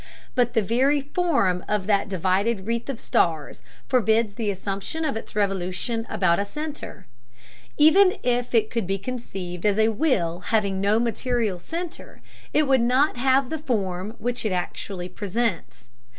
But the very form of that divided wreath of stars forbids the assumption of its revolution about a center. Even if it could be conceived as a wheel having no material center it would not have the form which it actually presents.